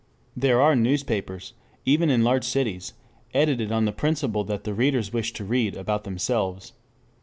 ] 2 There are newspapers, even in large cities, edited on the principle that the readers wish to read about themselves.